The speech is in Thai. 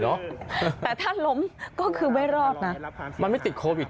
แต่ถ้าล้มก็คือไม่รอดนะมันไม่ติดโควิด